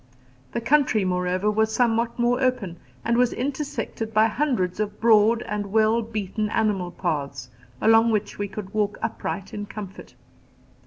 The country, moreover, was somewhat more open, and was intersected by hundreds of broad and well beaten animal paths, along which we could walk upright in comfort.